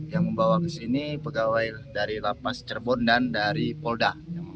yang membawa ke sini pegawai dari lapas cirebon dan dari polda